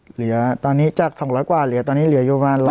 หลียะอันนี้จาก๒๐๐กว่าหลียะอยู่กับ๑๕๐